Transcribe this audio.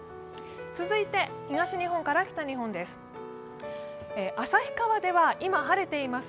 続いて東日本から北日本です。